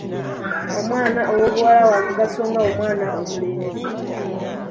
Omwana ow'obuwala wamugaso nga omwana omulenzi.